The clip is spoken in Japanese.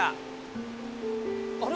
あれ？